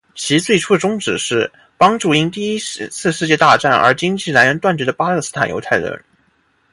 其最初的宗旨是帮助因第一次世界大战而经济来源断绝的巴勒斯坦犹太人。